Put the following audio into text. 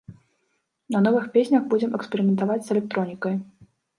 На новых песнях будзем эксперыментаваць з электронікай.